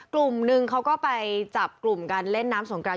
กลุ่มนึงเขาก็ไปจับกลุ่มการเล่นน้ำสงกราน